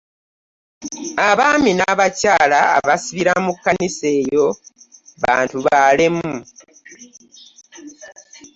Abaami n'abakyala abasabira mu kkanisa eyo bantu balemu.